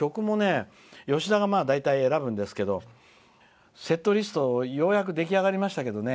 吉田が大体選ぶんですけどセットリスト、ようやく出来上がりましたけど。